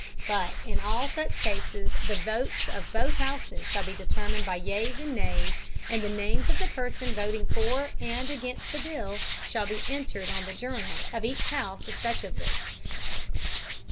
But in all such Cases the Votes of both Houses shall be determined by yeas and Nays, and the Names of the Persons voting for and against the Bill shall be entered on the Journal of each House respectively.